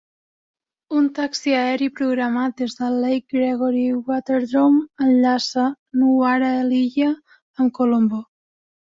Un taxi aeri programat des del Lake Gregory Waterdrome enllaça Nuwara Eliya amb Colombo.